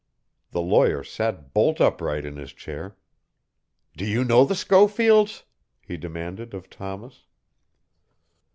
The lawyer sat bolt upright in his chair. "Do you know the Schofields?" he demanded of Thomas.